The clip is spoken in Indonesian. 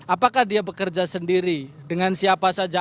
apakah dia bekerja sendiri dengan siapa saja